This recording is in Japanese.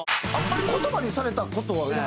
あんまり言葉にされた事は？